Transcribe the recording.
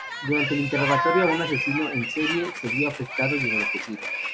Durante el interrogatorio a un asesino en serie se vio afectado y enloqueció.